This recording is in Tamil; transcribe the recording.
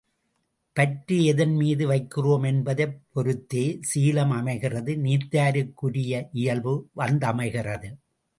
பற்று எதன்மீது வைக்கிறோம் என்பதைப் பொருத்தே சீலம் அமைகிறது நீத்தாருக்குரிய இயல்பு வந்தமைகிறது.